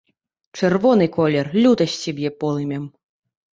Чырвоны колер лютасці б'е полымем.